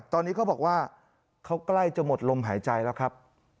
ตอนนี้เขาบอกว่าเขาใกล้จะหมดลมหายใจแล้วครับ